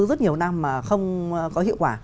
rất nhiều năm mà không có hiệu quả